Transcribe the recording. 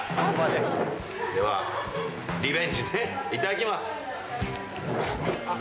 では、リベンジね、いただきます。